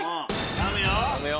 頼むよ！